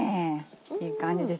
いい感じです